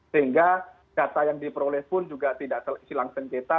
sehingga data yang diperoleh pun juga tidak silang senceta